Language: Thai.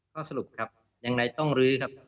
ข้อสรุปครับยังไงต้องลื้อครับ